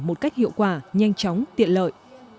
một cách hiệu quả nhanh chóng tiện lợi